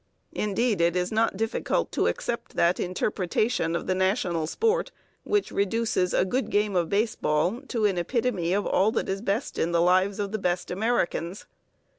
Indeed, it is not difficult to accept that interpretation of the national sport which reduces a good game of baseball to an epitome of all that is best in the lives of the best Americans.